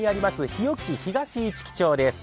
日置市東市来町です。